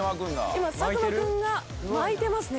今作間君が巻いてますね。